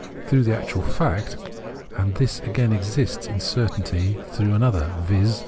through the actual fact ; and this, again, exists in that cer tainty through an other, viz.